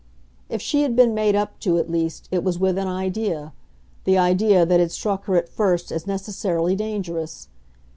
If she had been made up to, at least, it was with an idea the idea that had struck her at first as necessarily dangerous.